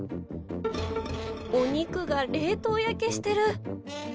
お肉が冷凍焼けしてる。